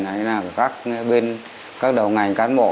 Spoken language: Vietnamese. hay là các đầu ngành cán bộ